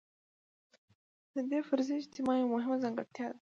د دې فرضي اجتماع یوه مهمه ځانګړتیا ده.